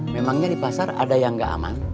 memangnya di pasar ada yang nggak aman